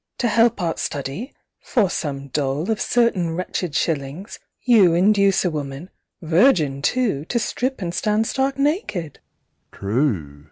To help Art study, for some dole Of certain wretched shillings, you Induce a woman virgin too To strip and stand stark naked?